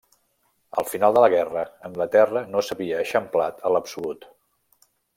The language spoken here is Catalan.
Al final de la guerra, Anglaterra no s'havia eixamplat a l'absolut.